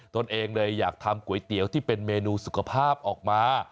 ตัวเองเลยอยากทำก๋วยเตี๋ยวที่เป็นเมนูสุขภาพออกมา